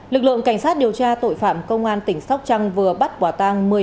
lực lượng cảnh sát điều tra tội phạm công an tỉnh sóc trăng vừa bắt quả tang